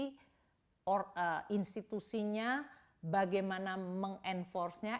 jadi regulasi institusinya bagaimana meng enforce nya